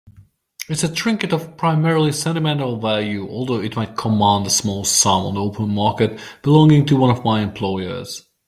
It's a trinket of primarily sentimental value, although it might command a small sum on the open market, belonging to one of my employers.